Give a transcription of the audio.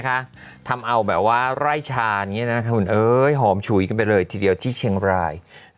โอมอัชชา